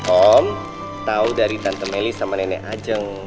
om tahu dari tante meli sama nenek ajeng